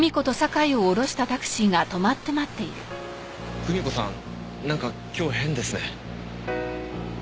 くみ子さんなんか今日変ですね。